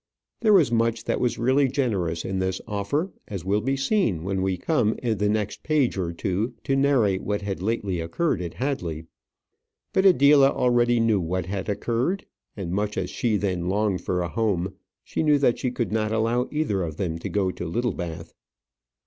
There was much that was really generous in this offer, as will be seen when we come in the next page or two to narrate what had lately occurred at Hadley. But Adela already knew what had occurred; and much as she then longed for a home, she knew that she could not allow either of them to go to Littlebath.